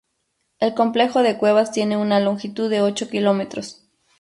El complejo de cuevas tiene una longitud de ocho kilómetros.